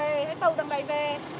hay tàu đằng này về